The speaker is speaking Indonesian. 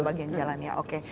membagian jalan ya oke